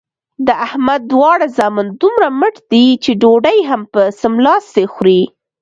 د احمد دواړه زامن دومره مټ دي چې ډوډۍ هم په څملاستې خوري.